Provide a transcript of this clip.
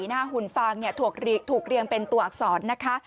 หน้าหุ่นฟางถูกเรียงเป็นตัวอักษร